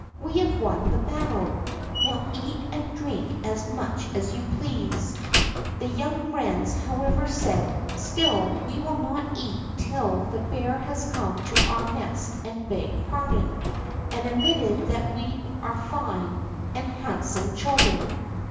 we have won the battle; now eat and drink as much as you please." The young wrens, however, said: "Still we will not eat till the bear has come to our nest and begged pardon, and admitted that we are fine and handsome children."